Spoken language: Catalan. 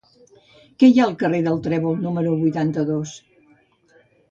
Què hi ha al carrer del Trèvol número vuitanta-dos?